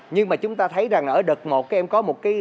nhưng mà chúng ta thấy rằng ở đợt một em có một kỳ lạc